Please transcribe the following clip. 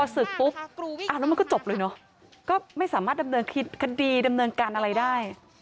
ศึกปุ๊บแล้วมันก็จบเลยเนอะก็ไม่สามารถดำเนินคิดคดีดำเนินการอะไรได้